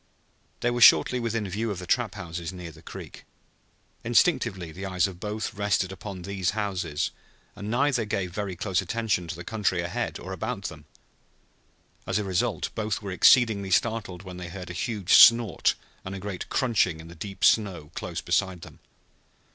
They were shortly within view of the trap houses near the creek. Instinctively the eyes of both rested upon these houses and neither gave very close attention to the country ahead or about them. As a result both were exceedingly startled when they heard a huge snort and a great crunching in the deep snow close beside them.